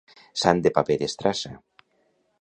Sant de paper d'estrassa.